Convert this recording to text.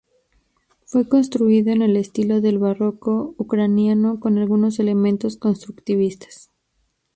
Fue construido en el estilo del barroco ucraniano con algunos elementos constructivistas.